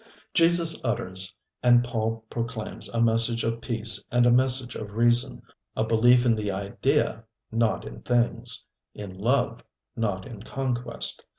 Jesus utters and Paul proclaims a message of peace and a message of reason, a belief in the Idea, not in things, in love, not in conquest.